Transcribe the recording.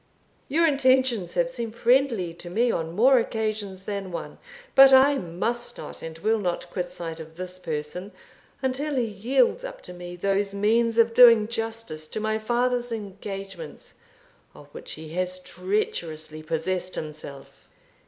"Your intentions have seemed friendly to me on more occasions than one; but I must not, and will not, quit sight of this person until he yields up to me those means of doing justice to my father's engagements, of which he has treacherously possessed himself."